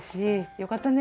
よかったね。